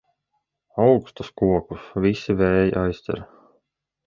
Augstus kokus visi vēji aizķer.